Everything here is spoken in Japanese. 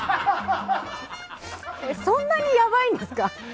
そんなにやばいんですか？